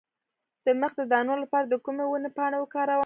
د مخ د دانو لپاره د کومې ونې پاڼې وکاروم؟